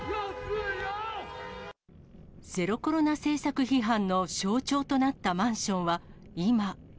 ゼロコロナ政策批判の象徴となったマンションは、今。